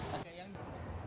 oke yang kedua